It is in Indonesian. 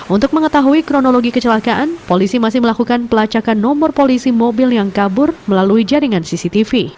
untuk mengetahui kronologi kecelakaan polisi masih melakukan pelacakan nomor polisi mobil yang kabur melalui jaringan cctv